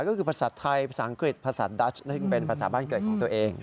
ก็คือภาษาไทยภาษาอังกฤษภาษาดัชซึ่งเป็นภาษาบ้านเกิดของตัวเอง